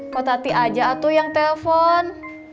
po tati aja atuh yang telfon